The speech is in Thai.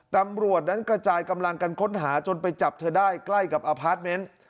ตำรวจนั้นกระจายกำลังกันค้นหาจนไปจับเธอได้ใกล้กับอพาร์ทเมนต์